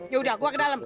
yaudah gua ke dalem